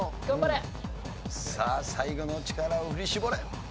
頑張れ！さあ最後の力を振り絞れ！